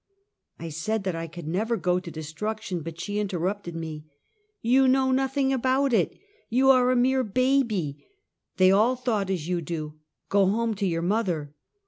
I said that I could never go to destruction, but she interrupted me: "You know nothing about it. You are a mere baby. They all thought as you do. Go home to your mother!"